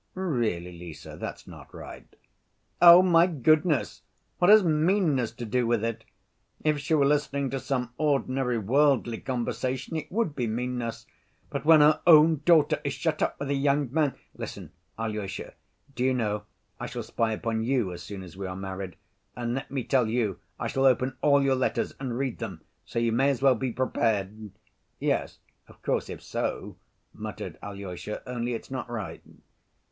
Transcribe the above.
"Really, Lise? That's not right." "Oh, my goodness! What has meanness to do with it? If she were listening to some ordinary worldly conversation, it would be meanness, but when her own daughter is shut up with a young man.... Listen, Alyosha, do you know I shall spy upon you as soon as we are married, and let me tell you I shall open all your letters and read them, so you may as well be prepared." "Yes, of course, if so—" muttered Alyosha, "only it's not right."